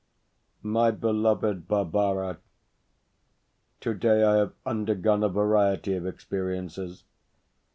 MY BELOVED BARBARA, Today I have undergone a variety of experiences.